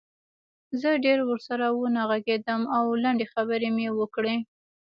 زه ډېر ورسره ونه غږېدم او لنډې خبرې مې وکړې